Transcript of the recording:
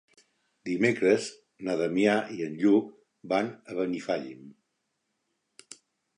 Dimecres na Damià i en Lluc van a Benifallim.